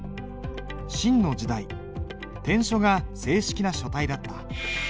秦の時代篆書が正式な書体だった。